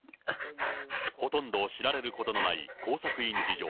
ほとんど知られることのない工作員事情。